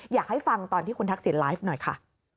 อยากให้ฟังตอนที่คุณทักษิณไลฟ์หน่อยค่ะ